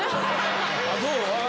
どう？